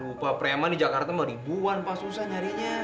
duh preman di jakarta meribuan pak susah nyarinya